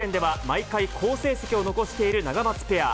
世界選手権では、毎回、好成績を残しているナガマツペア。